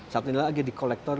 satu lagi di kolektor